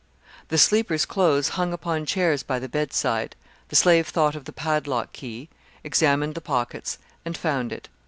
The sleeper's clothes hung upon chairs by the bedside; the slave thought of the padlock key, examined the pockets and found it.